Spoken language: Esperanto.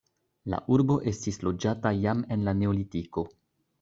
La urbo estis loĝata jam en la neolitiko.